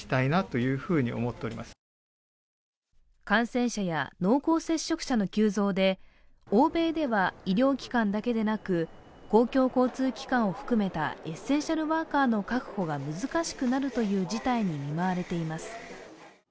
感染者や濃厚接触者の急増で、欧米では医療機関だけでなく、公共交通機関を含めたエッセンシャルワーカーの確保が難しくなるという事態に見舞われています。